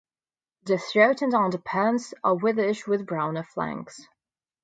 The throat and underparts are whitish with browner flanks.